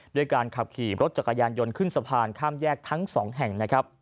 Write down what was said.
ด้วยการขับขี่รถจักรยานยนต์ขึ้นสะพานข้ามแยกทั้งสองแห่งนะครับ